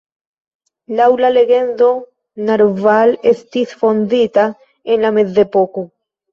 Laŭ la legendo Naroval estis fondita en la mezepoko.